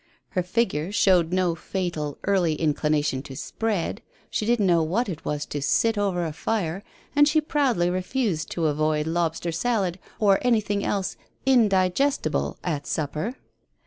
Her figure showed no fatal early inclina tion to "spread," she didn't know what it was to "sit over a fire," and she proudly refused to avoid lobster salad or anything else indigestible at supper.